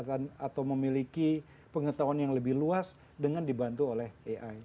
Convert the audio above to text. atau memiliki pengetahuan yang lebih luas dengan dibantu oleh ai